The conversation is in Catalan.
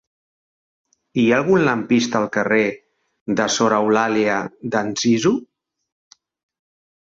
Hi ha algun lampista al carrer de Sor Eulàlia d'Anzizu?